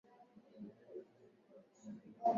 kuikaribia miili ya wapendwa wao wakati wa mazishi